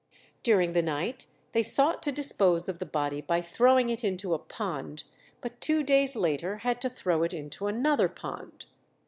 During the night they sought to dispose of the body by throwing it into a pond, but two days later had to throw it into another pond.